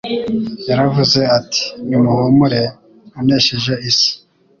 Yaravuze ati :« Ni muhumure nanesheje isi' »